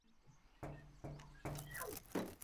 پښتو ستاسو په غږ ژوندۍ کېږي.